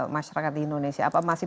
masyarakat di indonesia apa masih